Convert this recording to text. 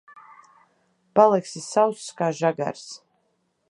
Paliksi sauss kā žagars.